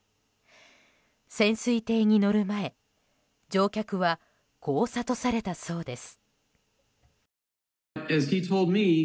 潜水艇に乗る前、乗客はこう諭されたそうです。